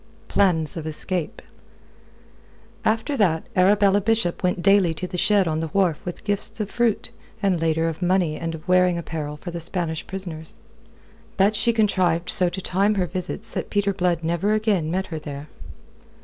PLANS OF ESCAPE After that Arabella Bishop went daily to the shed on the wharf with gifts of fruit, and later of money and of wearing apparel for the Spanish prisoners. But she contrived so to time her visits that Peter Blood never again met her there.